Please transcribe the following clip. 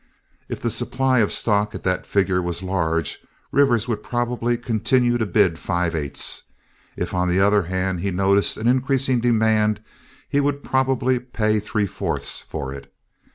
If the supply of stock at that figure was large Rivers would probably continue to bid five eighths. If, on the other hand, he noticed an increasing demand, he would probably pay three fourths for it.